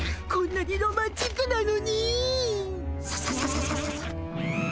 こんなにロマンチックなのに。